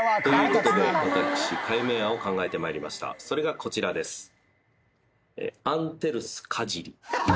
それがこちらです。